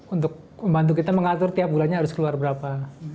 untuk membantu kita mengatur tiap bulannya harus keluar berapa